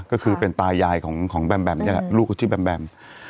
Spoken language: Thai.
ก็คือเป็นตายายของแบมแบมนี่แหละลูกก็ชื่อแบมแบม